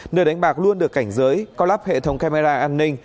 nơi đánh bạc luôn được cảnh giới có lắp hệ thống camera an ninh